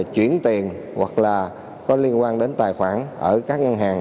chuyển tiền hoặc là có liên quan đến tài khoản ở các ngân hàng